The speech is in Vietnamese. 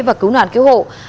và cứu nạn cứu hộ